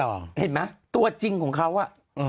เห็นไหมตัวจริงของเขาอ่ะ